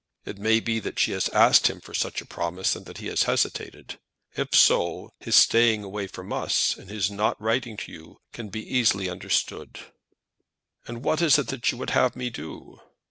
It may be that she has asked him for such a promise, and that he has hesitated. If so, his staying away from us, and his not writing to you, can be easily understood." "And what is it you would have me do?"